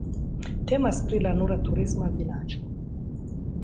Temas pri nura turisma vilaĝo.